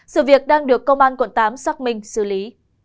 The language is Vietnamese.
sự việc đang được công an quận tám xác minh xử lý